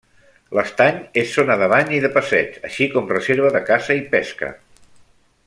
L'estany és zona de bany i de passeig, així com reserva de caça i pesca.